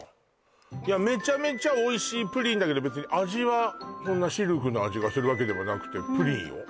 いやメチャメチャおいしいプリンだけどべつに味はそんなシルクの味がするわけではなくてプリンよ